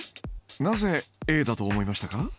なぜＡだと思いましたか？